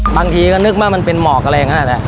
บางทีก็นึกว่ามันเป็นหมอกอะไรอย่างนั้นแหละ